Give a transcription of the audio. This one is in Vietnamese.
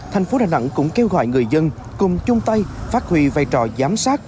thành phố đà nẵng cũng kêu gọi người dân cùng chung tay phát huy vai trò giám sát